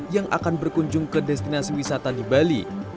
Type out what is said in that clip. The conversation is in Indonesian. yang akan berkunjung ke destinasi wisata di bali